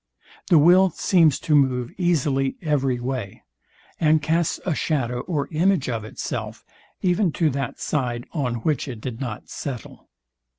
The will seems to move easily every way, and casts a shadow or image of itself, even to that side, on which it did not settle.